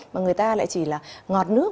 mà người ta lại chỉ là ngọt nước